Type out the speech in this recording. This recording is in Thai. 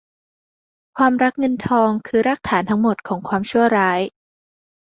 ความรักเงินทองคือรากฐานทั้งหมดของความชั่วร้าย